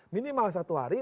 minimal satu hari